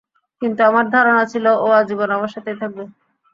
কিন্তু আমার ধারণা ছিল ও আজীবন আমার সাথেই থাকবে।